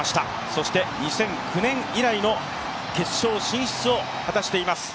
そして、２００９年以来の決勝進出を果たしています。